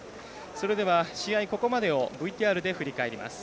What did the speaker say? それでは、試合、ここまでをＶＴＲで振り返ります。